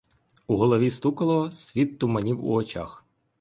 У голову стукало, світ туманів у очах.